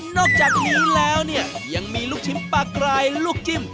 นอกจากนี้แล้วเนี่ยยังมีลูกชิ้นปลากรายลูกจิ้ม